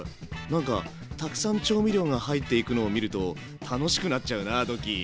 なんかたくさん調味料が入っていくのを見ると楽しくなっちゃうなドッキー。